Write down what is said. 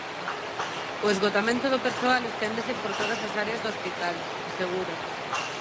O esgotamento do persoal esténdese por todas as áreas do hospital, asegura.